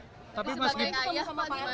tapi sebagai ayah pak gimana pak